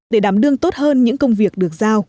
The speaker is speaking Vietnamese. để đảm đương tốt hơn những công việc